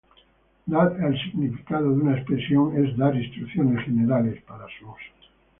Dar el significado de una expresión es "dar instrucciones generales para su uso".